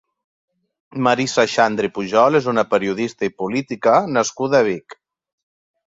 Marisa Xandri Pujol és una periodista i política nascuda a Vic.